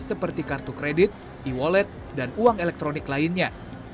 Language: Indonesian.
seperti kartu kredit e wallet dan uang elektronik lainnya